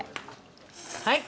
はい。